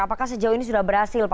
apakah sejauh ini sudah berhasil pak